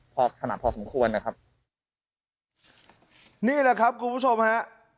พอขนาดพอสมควรนะครับนี่แหละครับคุณผู้ชมฮะ